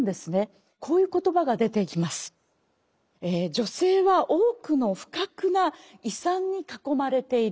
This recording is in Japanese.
「女性は多くの不覚な違算に囲まれている」。